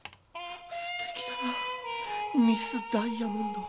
すてきだなミス・ダイヤモンド。